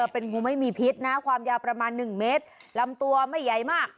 เป็นงูไม่มีพิษนะความยาวประมาณ๑เมตรลำตัวไม่ใหญ่มาก